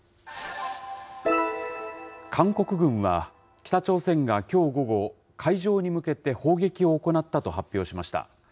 韓国軍は、北朝鮮がきょう午後、海上に向けて砲撃を行ったと発表しました。